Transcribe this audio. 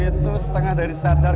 itu setengah dari sadar